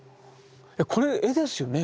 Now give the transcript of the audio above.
これ絵ですよね？